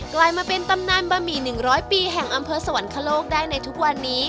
กลายมาเป็นตำนานบะหมี่๑๐๐ปีแห่งอำเภอสวรรคโลกได้ในทุกวันนี้